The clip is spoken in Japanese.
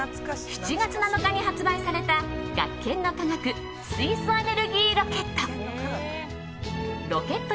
７月７日に発売された「学研の科学水素エネルギーロケット」。